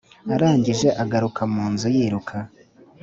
arangije agaruka munzu yiruka